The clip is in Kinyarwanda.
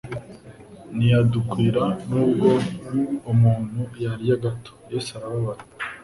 ntiyadukwira nubwo umuntu yarya gatol." Yesu arababara.